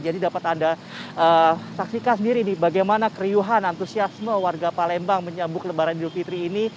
jadi dapat anda saksikan sendiri bagaimana keriuhan antusiasme warga palembang menyambung lebaran idul fitri ini